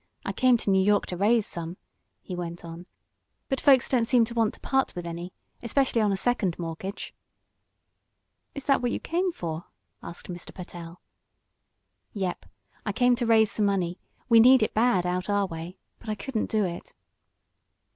I come to New York to raise some," he went on, "but folks don't seem to want to part with any especially on a second mortgage." "Is that what you came for?" asked Mr. Pertell. "Yep. I come to raise some money we need it bad, out our way, but I couldn't do it."